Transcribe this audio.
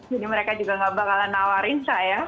jadi mereka juga nggak bakalan nawarin saya